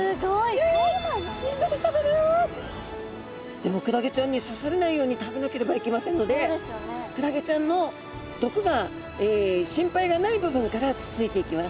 でもクラゲちゃんに刺されないように食べなければいけませんのでクラゲちゃんの毒が心配がない部分からつついていきます。